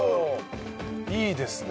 いいですね。